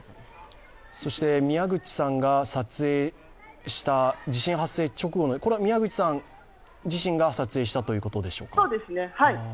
宮口さんが撮影した地震発生直後の宮口さん自身が撮影したということでしょうか？